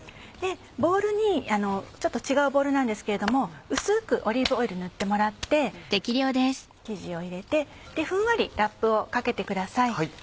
ボウルにちょっと違うボウルなんですけれども薄くオリーブオイル塗ってもらって生地を入れてふんわりラップをかけてください。